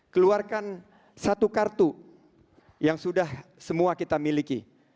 keluarkan satu kartu yang sudah semua kita miliki